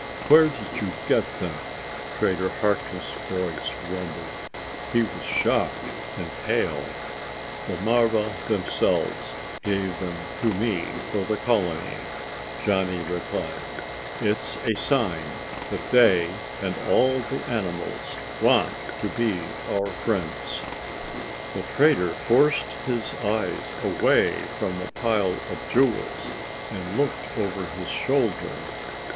"Where did you get them?" Trader Harkness' voice rumbled. He was shocked and pale. "The marva themselves gave them to me for the colony," Johnny replied. "It's a sign that they and all the animals want to be our friends." The trader forced his eyes away from the pile of jewels and looked over his shoulder.